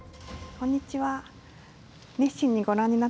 こんにちは。